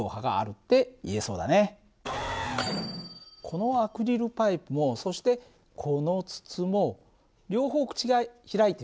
このアクリルパイプもそしてこの筒も両方口が開いてるよね。